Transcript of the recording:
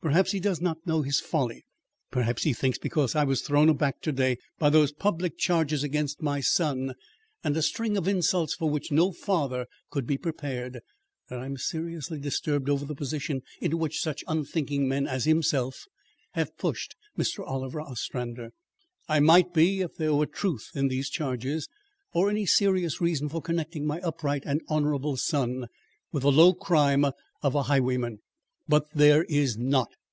"Perhaps he does not know his folly. Perhaps he thinks because I was thrown aback to day by those public charges against my son and a string of insults for which no father could be prepared, that I am seriously disturbed over the position into which such unthinking men as himself have pushed Mr. Oliver Ostrander. I might be if there were truth in these charges or any serious reason for connecting my upright and honourable son with the low crime of a highwayman. BUT THERE IS NOT.